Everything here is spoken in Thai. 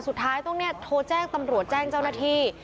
สุดท้ายต้องเนี่ยโทรแจ้งตำรวจแจ้งเจ้าหน้าที่